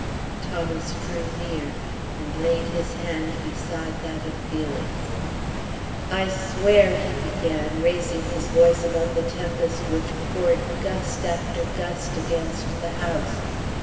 Thomas drew near, and laid his hand beside that of Felix. "I swear," he began, raising his voice above the tempest, which poured gust after gust against the house.